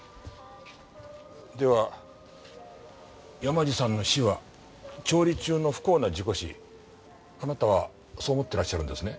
では山路さんの死は調理中の不幸な事故死あなたはそう思ってらっしゃるんですね？